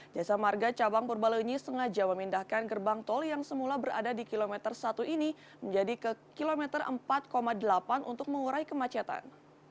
jasa marga cabang purbalenyi sengaja memindahkan gerbang tol yang semula berada di kilometer satu ini menjadi ke kilometer empat delapan untuk mengurai kemacetan